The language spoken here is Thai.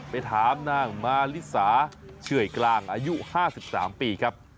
ไปถามนางมาลิสาเฉื่อยกลางอายุ๕๓ปีครับ